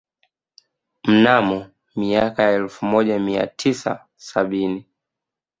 Mnamo miaka ya elfu moja mia tisa sabini